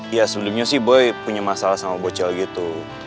ya sebelumnya sih boy punya masalah sama bocel gitu